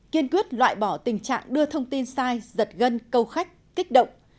kiên quyết loại bỏ tình trạng đưa thông tin sai giật gân câu khách kích động